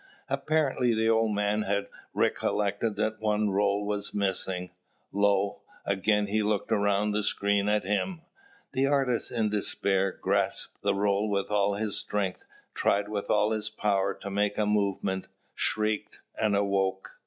Apparently the old man had recollected that one roll was missing. Lo! again he looked round the screen at him. The artist in despair grasped the roll with all his strength, tried with all his power to make a movement, shrieked and awoke.